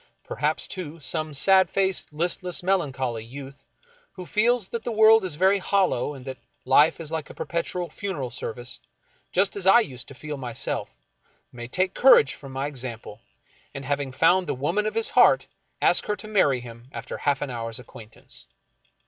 Perhaps, too, some sad faced, listless, melancholy youth, who feels that the world is very hollow, and that life is like a perpetual funeral service, just as I used to feel myself, may take courage from my example, and having found the woman of his heart, ask her to marry him after half an hour's acquaintance.